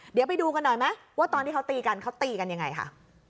เดี๋ยวไปดูกันหน่อยไหมว่าตอนที่เขาตีกันเขาตีกันยังไงค่ะ